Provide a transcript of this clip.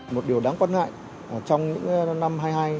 một điều đáng quan ngại trong những năm hai mươi hai hai mươi ba